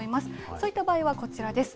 そういった場合はこちらです。